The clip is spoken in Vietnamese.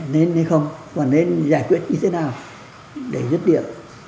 nên hay không còn nên giải quyết như thế nào để giúp địa